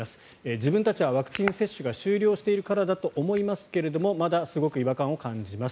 自分たちはワクチン接種が終了しているからだと思いますけれどまだすごく違和感を感じます。